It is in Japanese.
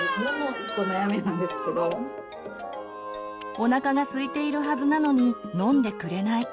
おなかがすいているはずなのに飲んでくれない。